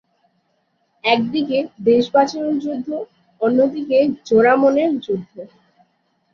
এক দিকে দেশ বাঁচানোর যুদ্ধ, অন্য দিকে এক জোড়া মনের যুদ্ধ।